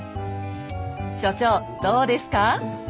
所長どうですか？